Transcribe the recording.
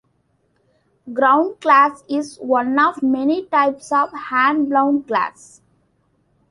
Crown glass is one of many types of hand-blown glass.